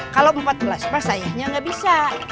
kalau empat belas pak sayangnya gak bisa